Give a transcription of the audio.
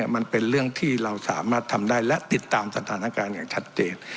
มันเป็นเรื่องที่เราสามารถทำได้และติดตามสถานการณ์อย่างชัดเจน